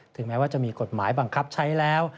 แม้ว่าจะมีกฎหมายบังคับใช้แล้ว